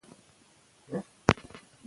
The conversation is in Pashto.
هغه ماشوم چې خندل، خوښ و.